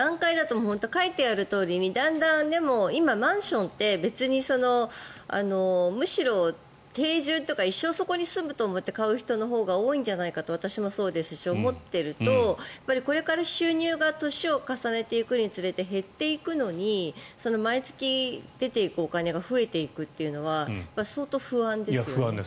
段階だと書いてあるとおりにマンションって別に定住とか一生そこに住むと思ってまた買う人のほうが多いんじゃないかと思うと収入が年を重ねるにつれて減っていくのに毎月、出ていくお金が増えていくというのは相当不安ですよね。